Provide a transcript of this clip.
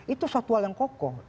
itu suatu hal yang kokoh